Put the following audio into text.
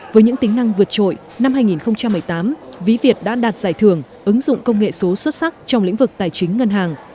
với những tính năng vượt trội năm hai nghìn một mươi tám ví việt đã đạt giải thưởng ứng dụng công nghệ số xuất sắc trong lĩnh vực tài chính ngân hàng